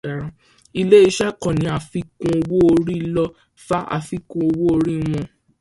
Ilé-iṣẹ́ kan ní àfikún owó orí ló fa àfikún owó orí wọn.